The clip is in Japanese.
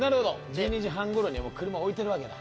１２時半頃にはもう車置いてるわけだ。